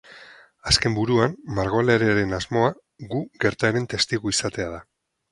Azken buruan, margolariaren asmoa gu gertaeren testigu izatea da.